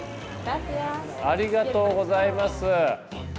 ありがとうございます！